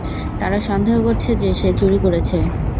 তারা সন্দেহ করছে যে সে চুরি করেছে।